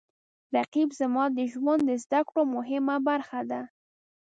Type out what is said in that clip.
رقیب زما د ژوند د زده کړو مهمه برخه ده